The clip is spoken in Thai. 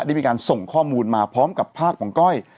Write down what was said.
ได้มีการส่งข้อมูลมาพร้อมกับภาพของก้อย